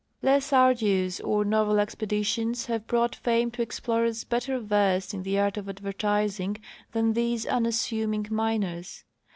Less arduous or novel expeditions have brought fame to explorers better versed in the art of advertising than these unassuming miners.